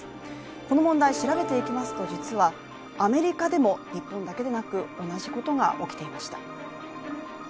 この問題、調べていきますと実はアメリカでも、日本だけでなく同じことが起きていました。